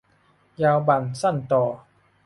ยาวบั่น สั้นต่อ